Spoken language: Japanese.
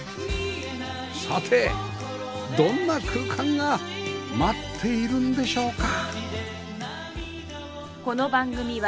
さてどんな空間が待っているんでしょうか？